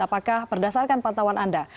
apakah berdasarkan pantauan anda